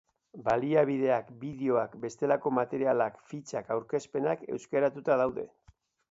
Baliabideak, bideoak, bestelako materialak, fitxak, aurkezpenak euskaratuta daude.